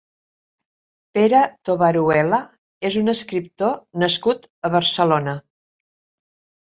Pere Tobaruela és un escriptor nascut a Barcelona.